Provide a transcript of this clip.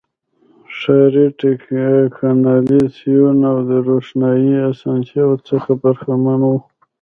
ښاري کانالیزاسیون او د روښنايي اسانتیاوو څخه برخمن وو.